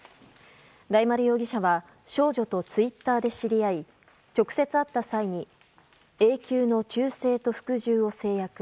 大丸容疑者は少女とツイッターで知り合い直接会った際に永久の忠誠と服従を誓約。